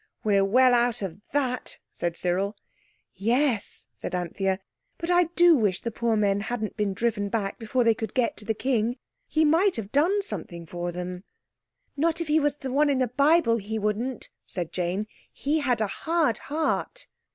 "We're well out of that," said Cyril. "Yes," said Anthea, "but I do wish the poor men hadn't been driven back before they could get to the King. He might have done something for them." "Not if he was the one in the Bible he wouldn't," said Jane. "He had a hard heart."